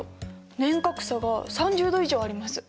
年較差が３０度以上あります。